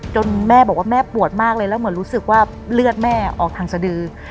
แม่บอกว่าแม่ปวดมากเลยแล้วเหมือนรู้สึกว่าเลือดแม่ออกทางสดือ